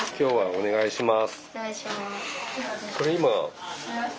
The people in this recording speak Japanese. お願いします。